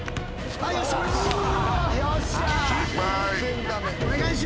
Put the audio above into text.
はい。